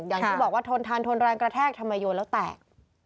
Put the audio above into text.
อย่างที่บอกว่าทนทานทนแรงกระแทกทำไมโยนแล้วแตก